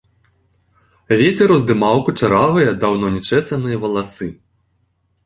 Вецер уздымаў кучаравыя, даўно не чэсаныя валасы.